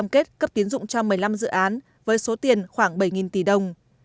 các ngân hàng đã cấp tiến dụng cho một mươi năm dự án với số tiền khoảng bảy tỷ đồng